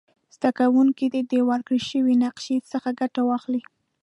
زده کوونکي دې د ورکړ شوې نقشي څخه ګټه واخلي.